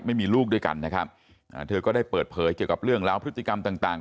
ไม่มีลูกด้วยกันนะครับอ่าเธอก็ได้เปิดเผยเกี่ยวกับเรื่องราวพฤติกรรมต่างต่าง